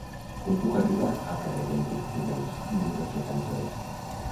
Com puc arribar al carrer d'Enric Giménez número setanta-dos?